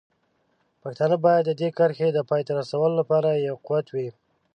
پښتانه باید د دې کرښې د پای ته رسولو لپاره یو قوت وي.